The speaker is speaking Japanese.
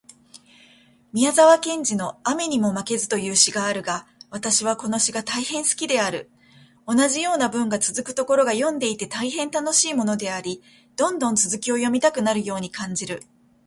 宮沢賢治のアメニモマケズという詩があるが私はこの詩が大変好きである。同じような文がつづくところが読んでいて大変楽しいものであり、どんどん続きを読みたくなるように感じる。この詩を読んでから、彼の他の作品も読んでみたいと思った。